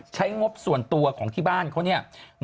งบส่วนตัวของที่บ้านเขาเนี่ย